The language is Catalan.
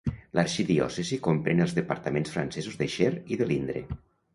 L'arxidiòcesi comprèn els departaments francesos de Cher i de l'Indre.